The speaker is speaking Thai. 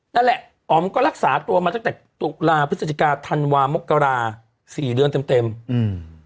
นั่นแหละอ๋อมก็รักษาตัวมาตั้งแต่ตุลาพฤศจิกาธันวามกราสี่เดือนเต็มเต็มอืม